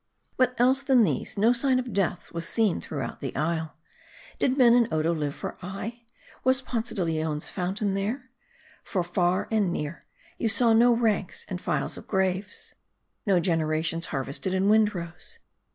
But else than these, no sign of death was seen through out the isle. Did men in Odo live for aye ? Was Ponce de Leon's fountain there ? For near and far, you saw no ranks and files of graves, no generations harvested in win rows.